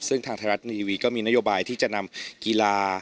ซึ่งทางไทยรัฐทีวีก็มีนโยบายที่จะนำกีฬา